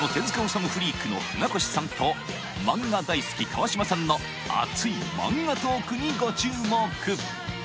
治虫フリークの船越さんと漫画大好き川島さんの熱い漫画トークにご注目